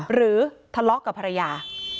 หรือทะเลาะกับภรรยา